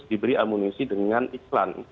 diberi amunisi dengan iklan